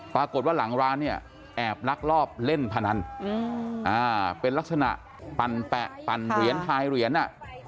ปรากฏว่าหลังร้านเนี่ยแอบลักลอบเล่นพนันเป็นลักษณะปั่นแปะปั่นเหรียญทายเหรียญ